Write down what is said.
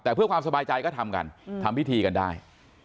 แต่เพื่อความสบายใจก็ทำกันทำพิธีกันได้